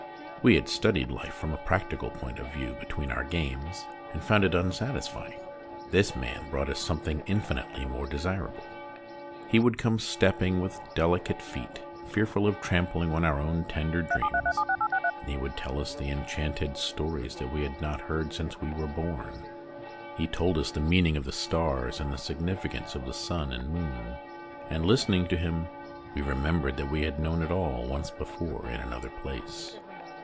We had studied life from a practical point of view between our games, and found it unsatisfy ing ; this man brought us something in finitely more desirable. He would come stepping with delicate feet, fearful of trampling on our own tender dreams, and he would tell us the enchanted stories that we had not heard since we were born. He told us the meaning of the stars and the significance of the sun and moon ; and, listening to him, we remembered that we had known it all once before in another place.